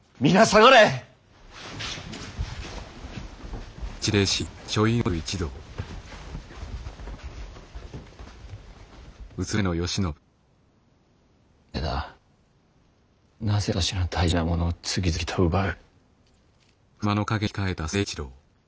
なぜだなぜ私の大事なものを次々と奪う！